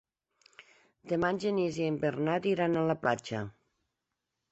Demà en Genís i en Bernat iran a la platja.